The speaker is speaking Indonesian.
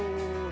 tuh di sini